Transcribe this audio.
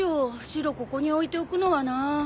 シロここに置いておくのはな。